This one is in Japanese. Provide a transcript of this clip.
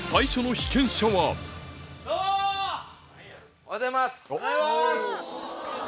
おはようございます！